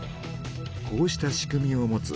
こうした仕組みを持つ